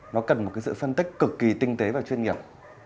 nó cần một cái sự phân tích cực kỳ tinh tế và chuyên nghiệp